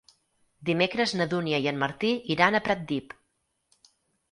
Dimecres na Dúnia i en Martí iran a Pratdip.